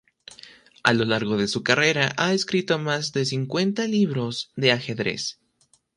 A lo largo de su carrera ha escrito más de cincuenta libros de ajedrez.